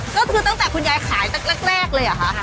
ก็คือตั้งแต่คุณยายขายแรกเลยเหรอคะ